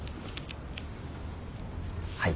はい。